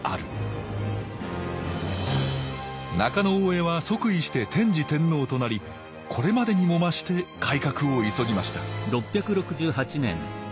中大兄は即位して天智天皇となりこれまでにも増して改革を急ぎました